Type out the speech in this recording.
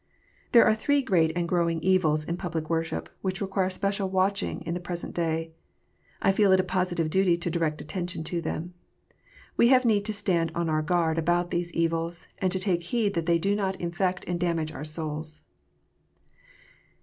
There are three great and growing evils in public worship, which require special watching in the present day. I feel it a positive duty to direct attention to them. We have need to stand on our guard about these evils, and to take heed that they do not infect and damage our souls.